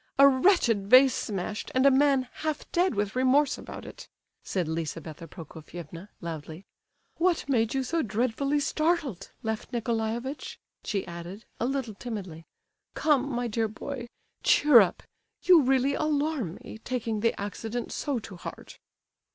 A wretched vase smashed, and a man half dead with remorse about it," said Lizabetha Prokofievna, loudly. "What made you so dreadfully startled, Lef Nicolaievitch?" she added, a little timidly. "Come, my dear boy! cheer up. You really alarm me, taking the accident so to heart."